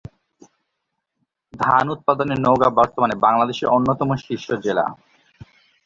ধান উৎপাদনে নওগাঁ বর্তমানে বাংলাদেশের অন্যতম শীর্ষ জেলা।